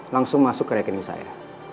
langsung masuk ke rekening saya